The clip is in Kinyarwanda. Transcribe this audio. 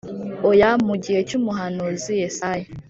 Oya Mu gihe cy umuhanuzi Yesaya.